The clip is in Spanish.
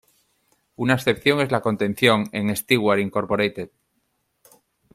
Una excepción es la contención, en Steward, Inc.